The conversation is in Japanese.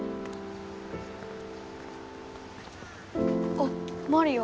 あっマリア。